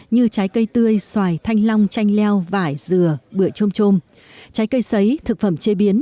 như trái cây tươi xoài thanh long chanh leo vải dừa bữa chôm chôm trái cây xấy thực phẩm chế biến